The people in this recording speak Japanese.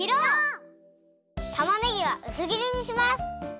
たまねぎはうすぎりにします！